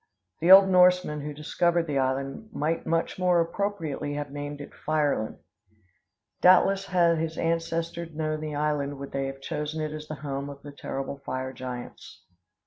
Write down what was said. The old Norseman who discovered the island might much more appropriately have named it Fireland. Doubtless had his ancestors known the island they would have chosen it as the home of the terrible fire giants.